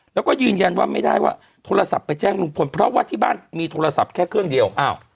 แล้วก็ยืนยันว่าไม่ได้ว่าโทรศัพท์ไปแจ้งลุงพลเพราะว่าที่บ้านมีโทรศัพท์แค่เครื่องเดียว